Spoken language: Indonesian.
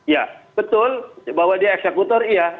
ya betul bahwa dia eksekutor iya